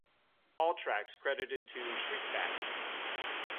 All tracks credited to Shriekback.